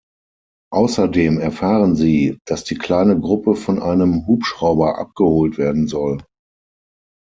Außerdem erfahren sie, dass die kleine Gruppe von einem Hubschrauber abgeholt werden soll.